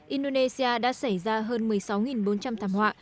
indonesia đã xảy ra hơn một mươi sáu bốn trăm linh thảm họa